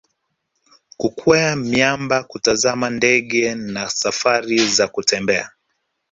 kukwea miamba kutazama ndege na safari za kutembea